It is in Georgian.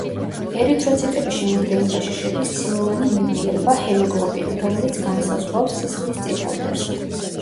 ერითროციტების შემადგენლობაში შედის ცილოვანი ნივთიერება ჰემოგლობინი, რომელიც განსაზღვრავს სისხლის წითელ ფერს.